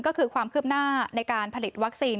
ก็คือความคืบหน้าในการผลิตวัคซีน